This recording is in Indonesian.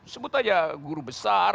sebut saja guru besar